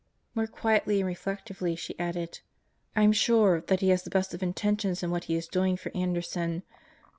More quietly and reflectively she added: "I'm sure, that he has the best of intentions in what he is doing for Anderson.